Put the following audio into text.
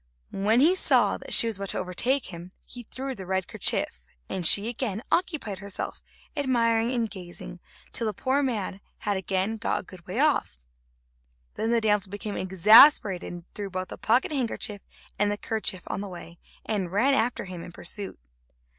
When he saw that she was about to overtake him, he threw the red kerchief, and she again occupied herself, admiring and gazing, till the poor man had again got a good way off. Then the damsel became exasperated, and threw both the pocket handkerchief and the kerchief on the way, and ran after him in pursuit.